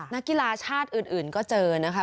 นักกีฬาชาติอื่นก็เจอนะคะ